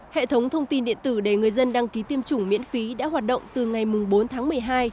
hệ thống thông tin điện tử để người dân đăng ký tiêm chủng miễn phí đã hoạt động từ ngày bốn tháng một mươi hai